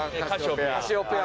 「カシオペア」。